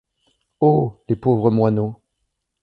Oh ! les pauvres moineaux !